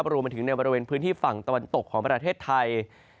รวมไปถึงในบริเวณพื้นที่ฝั่งตะวันตกของประเทศไทย